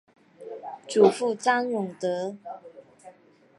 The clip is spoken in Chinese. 祖父张永德。